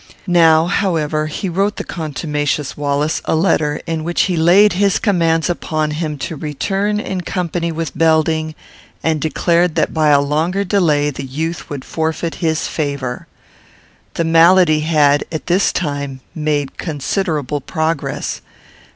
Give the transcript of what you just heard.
Now, however, he wrote the contumacious Wallace a letter, in which he laid his commands upon him to return in company with Belding, and declared that by a longer delay the youth would forfeit his favour. The malady had, at this time, made considerable progress.